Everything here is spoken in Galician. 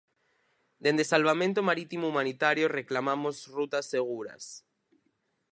Dende Salvamento Marítimo Humanitario reclamamos rutas seguras.